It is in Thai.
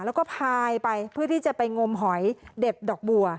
แล้วก็พายไปเพื่อที่จะไปงมหอยเด็ดดอกบัว